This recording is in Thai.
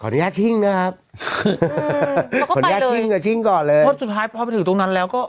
อนุญาตชิ่งนะครับขออนุญาตชิ่งกับชิ่งก่อนเลยเพราะสุดท้ายพอไปถึงตรงนั้นแล้วก็